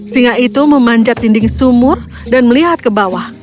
singa itu memanjat dinding sumur dan melihat ke bawah